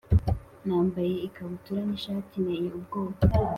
nambaye, ikabutura n’ishati, nteye ubwoba